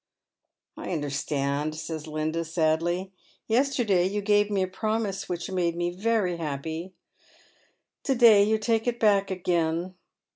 " I understand," says Linda, sadly. " Yesterday you gave me a promise which made me very happy ; to day you take it back again."